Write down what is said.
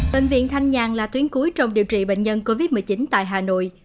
bệnh viện thanh nhàn là tuyến cuối trong điều trị bệnh nhân covid một mươi chín tại hà nội